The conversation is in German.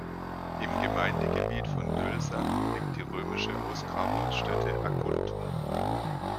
Im Gemeindegebiet von Dölsach liegt die römische Ausgrabungsstätte Aguntum.